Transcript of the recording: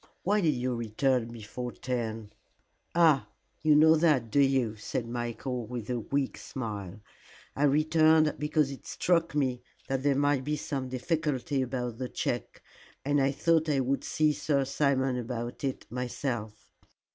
"Why did you return before ten?" "Ah, you know that, do you?" said Michael, with a weak smile. "I returned because it struck me that there might be some difficulty about the check, and I thought I would see Sir Simon about it myself.